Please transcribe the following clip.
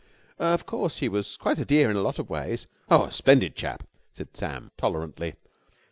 "Of course, he was quite a dear in a lot of ways." "Oh, a splendid chap," said Sam tolerantly.